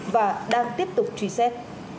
và đang tiếp tục truy xét